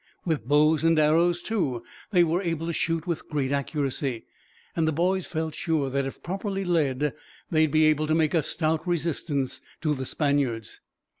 With bows and arrows, too, they were able to shoot with great accuracy; and the boys felt sure that, if properly led, they would be able to make a stout resistance to the Spaniards.